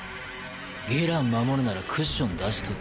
義爛守るならクッション出しとけ。